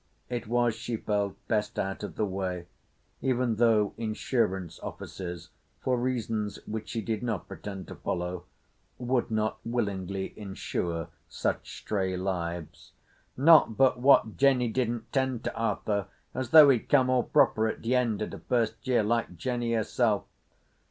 It was, she felt, best out of the way, even though insurance offices, for reasons which she did not pretend to follow, would not willingly insure such stray lives. "Not but what Jenny didn't tend to Arthur as though he'd come all proper at de end of de first year—like Jenny herself."